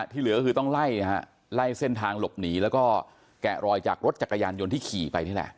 เหลือก็คือต้องไล่นะฮะไล่เส้นทางหลบหนีแล้วก็แกะรอยจากรถจักรยานยนต์ที่ขี่ไปนี่แหละ